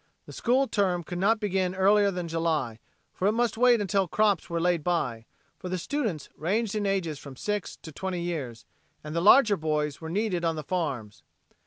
The school term could not begin earlier than July, for it must wait until crops were laid by, for the students ranged in ages from six to twenty years, and the larger boys were needed on the farms.